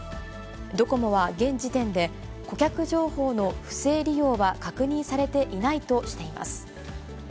ドコモは現時点で、顧客情報の不正利用は確認されていないとしています。